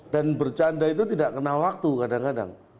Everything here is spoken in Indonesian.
dan bercanda itu tidak kena waktu kadang kadang